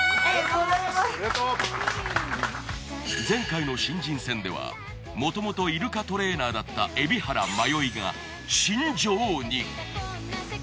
前回の新人戦ではもともとイルカトレーナーだった海老原まよいが新女王に。